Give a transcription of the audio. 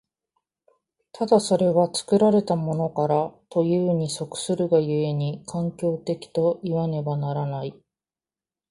ただそれは作られたものからというに即するが故に、環境的といわねばならない。